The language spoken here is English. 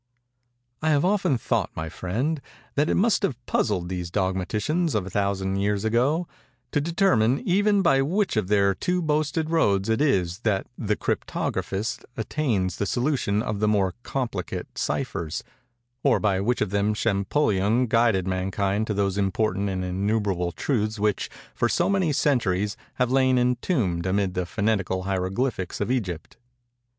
"I have often thought, my friend, that it must have puzzled these dogmaticians of a thousand years ago, to determine, even, by which of their two boasted roads it is that the cryptographist attains the solution of the more complicate cyphers—or by which of them Champollion guided mankind to those important and innumerable truths which, for so many centuries, have lain entombed amid the phonetical hieroglyphics of Egypt.